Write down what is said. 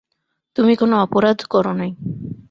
তুমি কোনো অপরাধ কর নাই।